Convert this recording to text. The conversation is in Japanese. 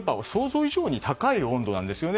想像以上に高い温度なんですよね。